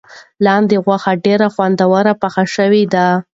لاندي غوښه ډېره خوندوره پخه شوې ده.